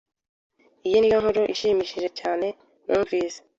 Iyi niyo nkuru ishimishije cyane numvise.